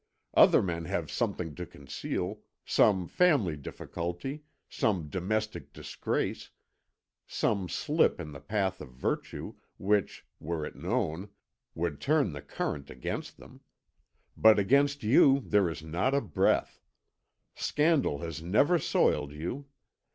Other men have something to conceal some family difficulty, some domestic disgrace, some slip in the path of virtue, which, were it known, would turn the current against them. But against you there is not a breath; scandal has never soiled you.